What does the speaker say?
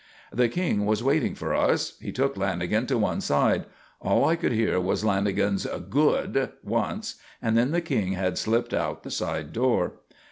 The King was waiting for us. He took Lanagan to one side. All I could hear was Lanagan's "Good!" once, and then the King had slipped out the side door.